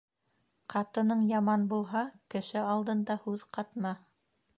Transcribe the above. Ҡатының яман булһа, кеше алдында һүҙ ҡатма.